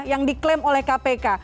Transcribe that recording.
yang diklaim oleh kpk